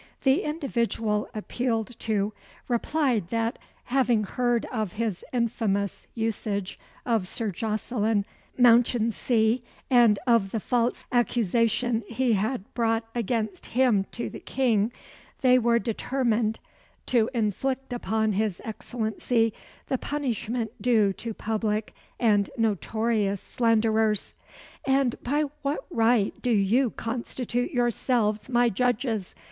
The individual appealed to replied that, having heard of his infamous usage of Sir Jocelyn Mounchensey, and of the false accusation he had brought against him to the King, they were determined to inflict upon his Excellency the punishment due to public and notorious slanderers. "And by what right do you constitute yourselves my judges?"